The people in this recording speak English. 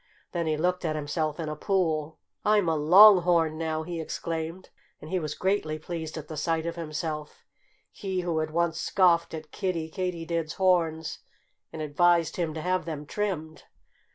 Then he looked at himself in a pool. "I'm a Long horn now!" he exclaimed. And he was greatly pleased at the sight of himself he who had once scoffed at Kiddie Katydid's horns and advised him to have them trimmed.